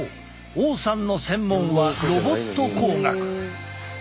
王さんの専門はロボット工学。